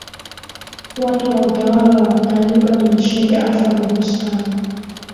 watu wa utawala wa taliban nchini afghanistan